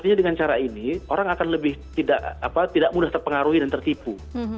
artinya dengan cara ini orang akan lebih tidak mudah terpengaruhi dan tertipu